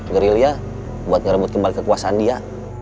gerilya buat ngerebut kembali kekuasaan dia